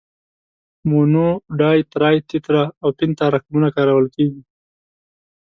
مونو، ډای، ترای، تترا او پنتا رقمونه کارول کیږي.